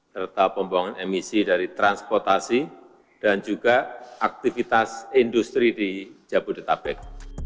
serta pembuangan emisi dari transportasi dan juga aktivitas industri di jabodetabek